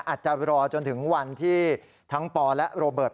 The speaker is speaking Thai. อาจจะรอจนถึงวันที่ทั้งปอและโรเบิร์ต